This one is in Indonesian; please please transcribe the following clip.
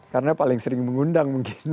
karena paling sering mengundang mungkin